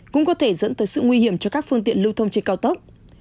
cũng có thể dẫn tới sự nguy hiểm cho các phương tiện lưu thông trên cao tốc